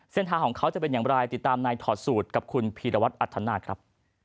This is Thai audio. เส้นทางของเขาจะเป็นอย่างไรติดตามในถอดสูตรกับคุณพีรวัตรอัธนาคครับ